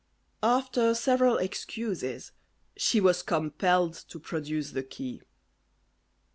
After several excuses, she was compelled to produce the key.